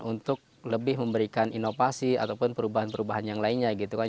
untuk lebih memberikan inovasi ataupun perubahan perubahan yang lainnya gitu kan